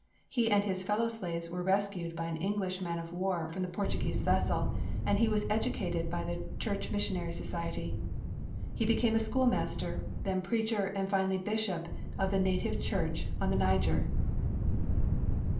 He and his fellow slaves were rescued by an English man of war from the Portuguese vessel, and he was educated by the Church Missionary Society. He became a school master, then preacher, and finally Bishop of the native Church on the Niger.